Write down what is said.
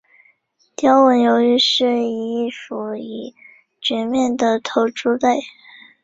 雕纹鱿鱼是一属已灭绝的头足类。